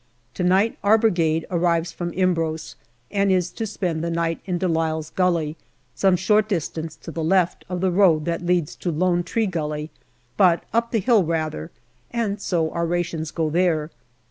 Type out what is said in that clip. To night our Brigade arrives from Imbros, and is to spend the night in De Lisle's Gully, some short distance to the left of the road that leads to Lone Tree Gully, but up the hill rather, and so our rations go there.